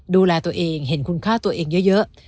ดูแลตัวเองเห็นคุณค่าตัวเองเยอะ